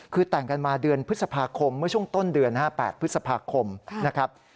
คือแต่งกันมาเดือนพฤษภาคมเมื่อช่วงต้นเดือน๘พฤษภาคมนะครับ